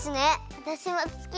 わたしも好き。